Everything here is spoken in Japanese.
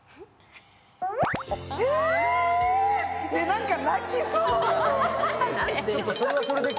なんか泣きそう。